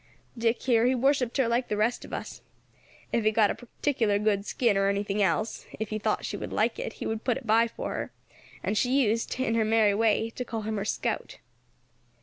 "Dick, here, he worshipped her like the rest of us. If he got a particular good skin, or anything else, if he thought she would like it he would put it by for her, and she used, in her merry way, to call him her scout.